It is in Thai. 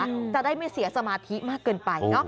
จะได้ไม่เสียสมาธิมากเกินไปเนอะ